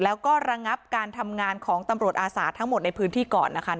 แล้วก็ระงับการทำงานของตำรวจอาสาทั้งหมดในพื้นที่ก่อนนะคะ